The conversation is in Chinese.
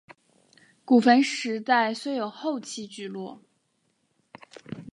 古坟时代虽有后期聚落。